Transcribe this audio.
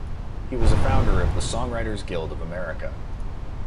He was a founder of the Songwriters Guild of America.